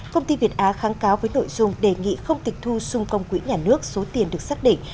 công ty việt á kháng cáo với nội dung đề nghị không tịch thu xung công quỹ nhà nước số tiền được xác định